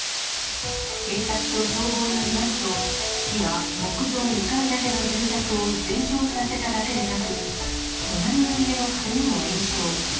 警察と消防によりますと、火は木造２階建ての住宅を全焼させただけでなく、隣の家の壁にも延焼。